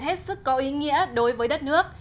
hết sức có ý nghĩa đối với đất nước